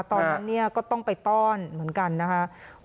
ตอนนั้นเนี่ยก็ต้องไปต้อนเหมือนกันนะคะ